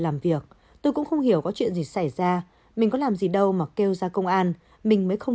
làm việc tôi cũng không hiểu có chuyện gì xảy ra mình có làm gì đâu mà kêu ra công an mình mới không